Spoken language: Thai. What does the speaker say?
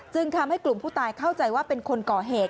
ทำให้กลุ่มผู้ตายเข้าใจว่าเป็นคนก่อเหตุ